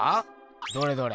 どれどれ。